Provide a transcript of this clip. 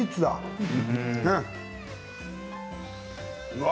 うわ！